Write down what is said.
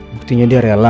buktinya dia rela